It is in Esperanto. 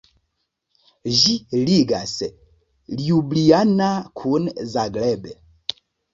Ĝi ligas Ljubljana kun Zagreb.